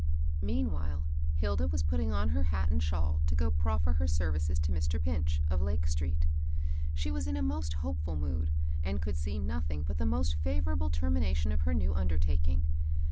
Meanwhile, Hilda was putting on her hat and shawl to go proffer her services to Mr. Pinch, of Lake street. She was in a most hopeful mood, and could see nothing but the most fevorable ter mination to her new undertaking.